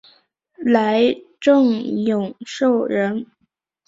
来瑱永寿人。